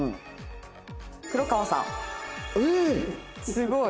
すごい！